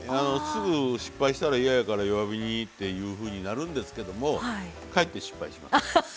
すぐ失敗したら嫌やから弱火っていうふうになるんですけどもかえって失敗します。